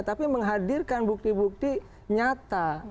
tapi menghadirkan bukti bukti nyata